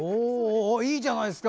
いいじゃないですか！